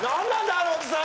あのおじさん！